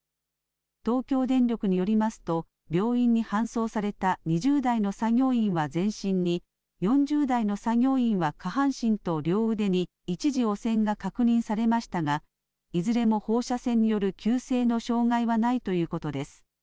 東京電力によりますと病院に搬送された２０代の作業員は全身に４０代の作業員は下半身と両腕に一時、汚染が確認されましたがいずれも放射線による急性の障害はないということです。